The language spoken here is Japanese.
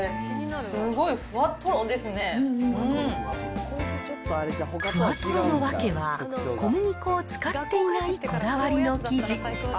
すごい、ふわとろの訳は、小麦粉を使っていないこだわりの生地。